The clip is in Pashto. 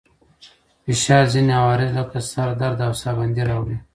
فشار ځينې عوارض لکه سر درد او ساه بندي راوړي.